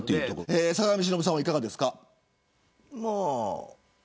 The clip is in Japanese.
坂上忍さんは、いかがですか。